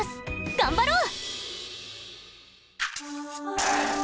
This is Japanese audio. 頑張ろう！